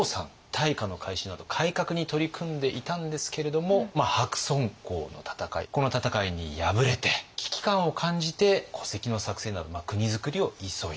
大化の改新など改革に取り組んでいたんですけれども白村江の戦いこの戦いに敗れて危機感を感じて戸籍の作成など国づくりを急いだ。